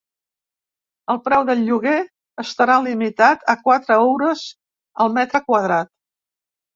El preu del lloguer estarà limitat a quatre euros el metre quadrat.